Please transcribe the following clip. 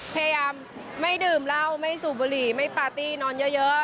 พยายามไม่ดื่มเหล้าไม่สูบบุหรี่ไม่ปาร์ตี้นอนเยอะ